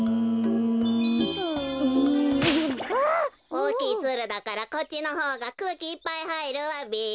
おおきいツルだからこっちのほうがくうきいっぱいはいるわべ。